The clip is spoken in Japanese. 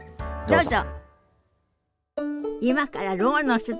どうぞ。